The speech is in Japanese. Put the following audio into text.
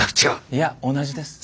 いや同じです。